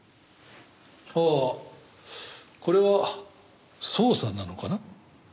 ああこれは捜査なのかな？